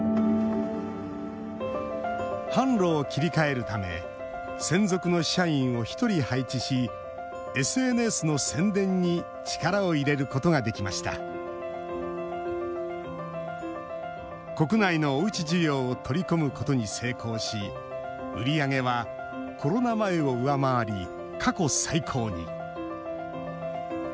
販路を切り替えるため専属の社員を１人配置しＳＮＳの宣伝に力を入れることができました国内のおうち需要を取り込むことに成功し売り上げは、コロナ前を上回り過去最高に。